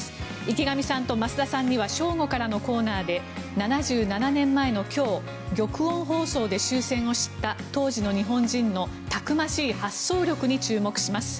池上さんと増田さんには正午からのコーナーで７７年前の今日玉音放送で終戦を知った当時の日本人のたくましい発想力に注目します。